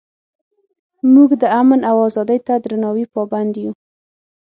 موږ د امن او ازادۍ ته درناوي پابند یو.